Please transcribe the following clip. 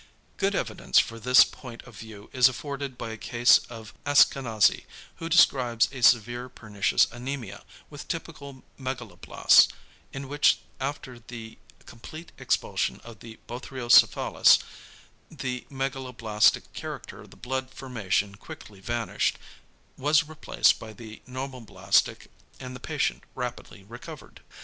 Good evidence for this point of view is afforded by a case of Askanazy, who describes a severe pernicious anæmia, with typical megaloblasts, in which after the complete expulsion of the Bothriocephalus, the megaloblastic character of the blood formation quickly vanished, was replaced by the normoblastic, and the patient rapidly recovered.